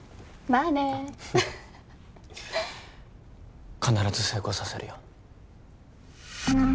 まあね必ず成功させるよ